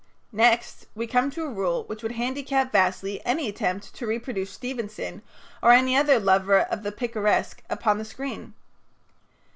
Next we come to a rule which would handicap vastly any attempt to reproduce Stevenson or any other lover of the picaresque upon the screen.